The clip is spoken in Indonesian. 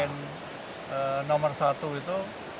nomor satu itu